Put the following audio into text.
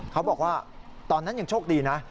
เขาบอกว่าตอนนั้นยังโชคดีนะ